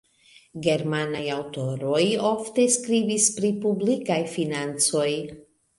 Germanaj aŭtoroj ofte skribis pri publikaj financoj.